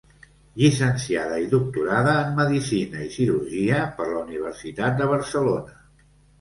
Llicenciada i doctorada en Medicina i cirurgia per la Universitat de Barcelona.